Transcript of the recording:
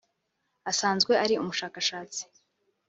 asanzwe ari umushakashatsi